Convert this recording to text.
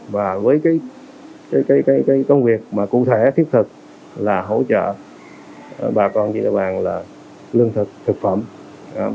và với cái công việc mà cụ thể thiết thực là hỗ trợ bà con chị địa bàn là lương thực thực phẩm